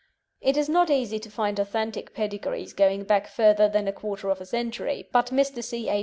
It is not easy to find authentic pedigrees going back further than a quarter of a century, but Mr. C. A.